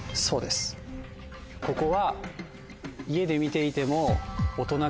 ここは。